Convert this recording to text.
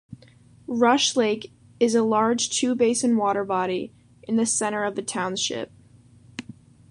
Rush Lake is a large two-basin water body in the center of the township.